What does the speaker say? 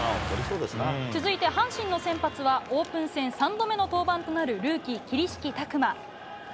続いて、阪神の先発はオープン戦３度目の登板となるルーキー、桐敷拓馬。